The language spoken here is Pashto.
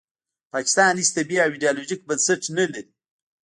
پاکستان هیڅ طبیعي او ایډیالوژیک بنسټ نلري